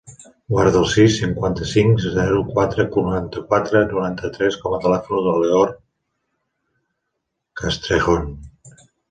Guarda el sis, cinquanta-cinc, zero, quatre, noranta-quatre, noranta-tres com a telèfon de la Leonor Castrejon.